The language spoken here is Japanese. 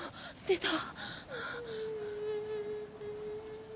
出た。